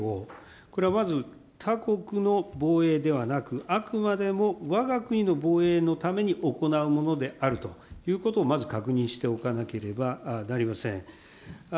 これはまず、他国の防衛ではなく、あくまでもわが国の防衛のために行うものであるということをまず確認しておかなければなりません。